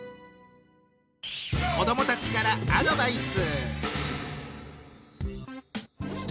子どもたちからアドバイス！